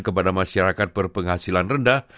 kepada masyarakat berpenghasilan rendah